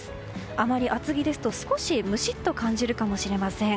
あまり厚着ですと、少しムシッと感じるかもしれません。